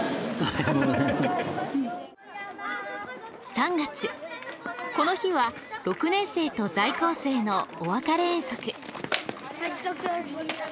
３月この日は６年生と在校生のお別れ遠足。